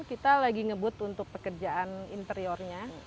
kita lagi ngebut untuk pekerjaan interiornya